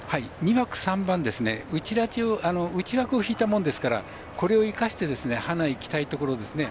２枠３番内枠を引いたものですからこれを生かしてハナに行きたいところですね。